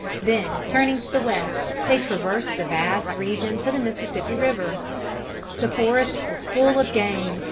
Then turning to the west, they traversed the vast region to the Mississippi river. The forests were full of game.